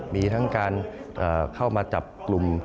มีทั้งการเข้ามาจับกลุ่ม